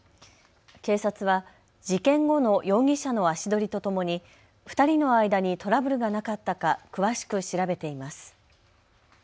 警察は事件後の容疑者の足取りとともに２人の間にトラブルがなかったか詳しく調べています。